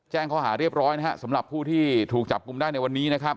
แจ้งเขาหาเรียบร้อยสำหรับผู้ที่ถูกจับกลุ่มได้ในวันนี้